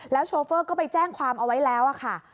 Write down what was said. โชเฟอร์ก็ไปแจ้งความเอาไว้แล้วค่ะ